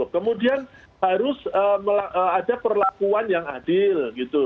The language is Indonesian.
kemudian harus ada perlakuan yang adil gitu